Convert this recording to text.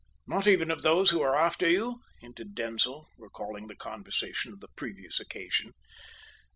"Not even of those who are after you?" hinted Denzil, recalling the conversation of the previous occasion.